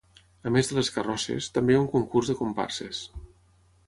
A més de les carrosses, també hi ha un concurs de comparses.